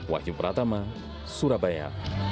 wahyu pratama surabaya